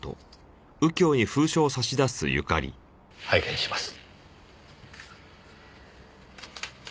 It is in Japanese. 拝見します。